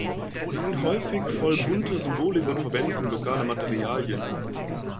Sie sind häufig voll bunter Symbolik und verwenden lokale Materialien.